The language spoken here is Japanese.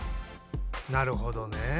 なるほどね。